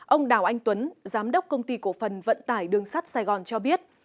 ông đào anh tuấn giám đốc công ty cổ phần vận tải đường sắt sài gòn cho biết